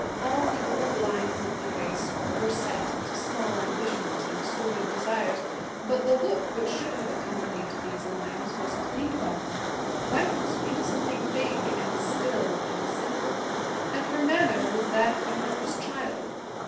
All the old lines of the face were set to small ambitions and sordid desires, but the look which should have accompanied these lines was clean gone wiped into something big and still and simple and her manner was that of an earnest child.